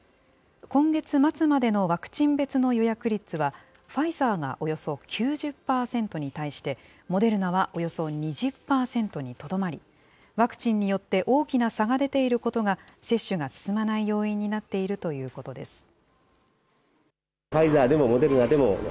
今月末までのワクチン別の予約率は、ファイザーがおよそ９０％に対して、モデルナはおよそ２０％にとどまり、ワクチンによって大きな差が出ていることが、接種が進まない要因になっているということです。